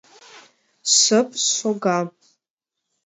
Шып шога.